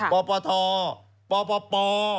ปปทปป